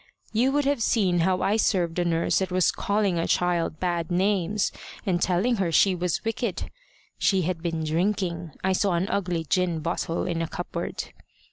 You would have seen how I served a nurse that was calling a child bad names, and telling her she was wicked. She had been drinking. I saw an ugly gin bottle in a cupboard."